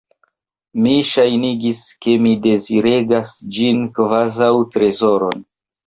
Mi ŝajnigis, ke mi deziregas ĝin, kvazaŭ trezoron.